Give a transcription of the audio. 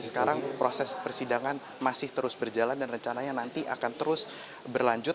sekarang proses persidangan masih terus berjalan dan rencananya nanti akan terus berlanjut